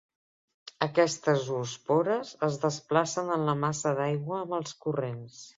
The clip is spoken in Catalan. Aquestes zoòspores es desplacen en la massa d'aigua amb els corrents.